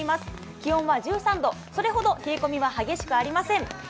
気温は１３度、それほど冷え込みは激しくありません。